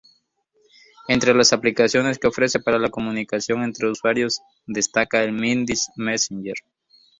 Entre las aplicaciones que ofrece para la comunicación entre usuarios, destaca el Mimdich-Messenger.